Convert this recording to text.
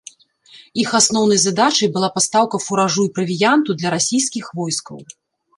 Іх асноўнай задачай была пастаўка фуражу і правіянту для расійскіх войскаў.